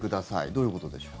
どういうことでしょう。